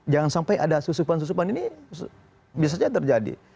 jangan sampai ada susuman susuman ini bisa saja terjadi